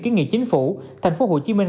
kiến nghị chính phủ thành phố hồ chí minh